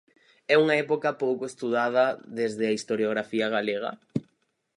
É unha época pouco estudada desde a historiografía galega?